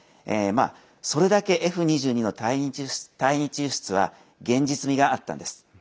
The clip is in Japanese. それだけ、Ｆ２２の対日輸出は現実味があったんです。